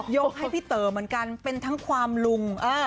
ยกให้พี่เต๋อเหมือนกัน